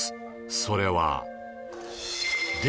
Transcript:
それは